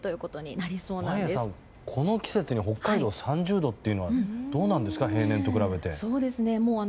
眞家さん、この季節に北海道３０度っていうのはどうなんですか、平年と比べて。